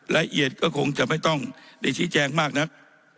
ละเอียดก็คงจะไม่ต้องได้ชี้แจงมากนัก